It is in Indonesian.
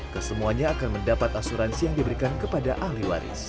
kesemuanya akan mendapat asuransi yang diberikan kepada ahli waris